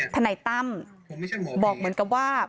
ทนายตั้มบอกเหมือนกับว่า